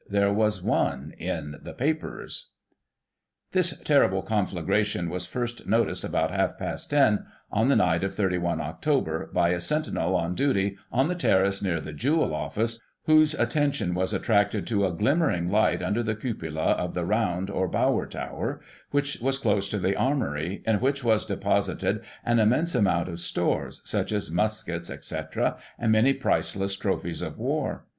There was one in the papers." This terrible conflagration was first noticed about half past ten, on the night of 31 Oct., by a sentinel on duty on the terrace near the Jewel Office, whose attention was attracted to a glimmering light under the cupola of the Round, or Bowyer Tower — which was close to the Armoury, in which was de posited an immense amount of stores, such as muskets, etc., and many priceless trophies of war.